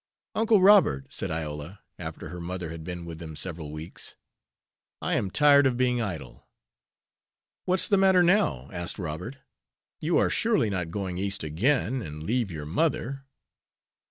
"Uncle Robert," said Iola, after her mother had been with them several weeks, "I am tired of being idle." "What's the matter now?" asked Robert. "You are surely not going East again, and leave your mother?"